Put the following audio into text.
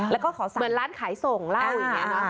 แล้วก็ขอสั่งเหมือนร้านขายส่งเล่าอย่างนี้